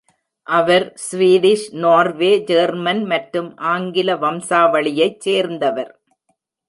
அவர் Swedish, Norway, German மற்றும் ஆங்கில வம்சாவளியைச் சேர்ந்தவர்.